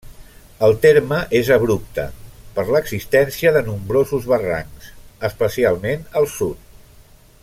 El terme és abrupte, per l'existència de nombrosos barrancs, especialment al sud.